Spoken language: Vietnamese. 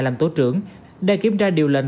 làm tổ trưởng để kiểm tra điều lệnh